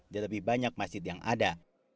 dan lebih banyak masjid yang ada